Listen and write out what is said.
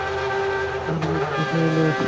আর মিথ্যা চাই না!